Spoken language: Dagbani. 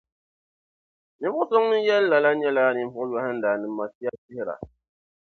Ninvuɣ’ so ŋun yɛli lala nyɛla ninvuɣ’ yɔhinda ni Masiachihira.